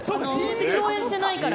共演してないから。